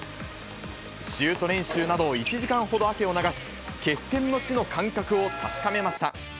シュート練習など、１時間ほど汗を流し、決戦の地の感覚を確かめました。